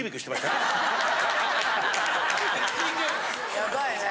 ヤバイね。